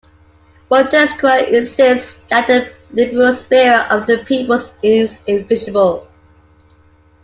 Montesquieu insists that the liberal spirit of the peoples is invincible.